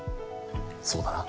そうだな。